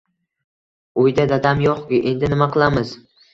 Uyda dadam yo‘q-ku, endi nima qilamiz?